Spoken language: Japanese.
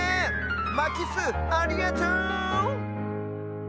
まきすありがとう！